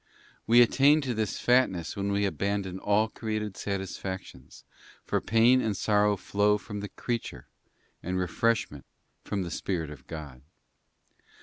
'f We attain to this fatness when we abandon all created satisfactions, for pain and sor row flow from the creature, and refreshment from the Spirit of God.